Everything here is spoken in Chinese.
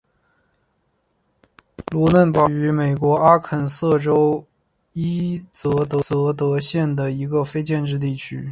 卢嫩堡是位于美国阿肯色州伊泽德县的一个非建制地区。